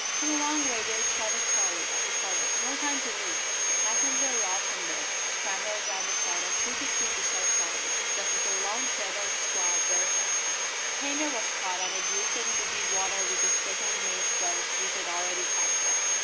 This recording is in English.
"Come along, Raywood," shouted Charlie, as he followed. "No time to lose!" The passenger rushed on deck, scrambled down the side, and took his seat beside Charlie, just as the long threatened squall burst upon them. The painter was cut, and they drifted into deep water with the second mate's boat, which had already cast off.